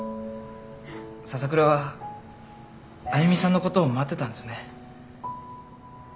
笹倉はあゆみさんのことを待ってたんですね。